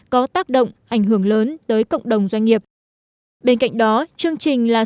có tác động ảnh hưởng lớn tới cộng đồng doanh nghiệp